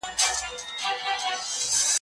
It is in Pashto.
شتُرمرغ ویله زه ستاسي پاچا یم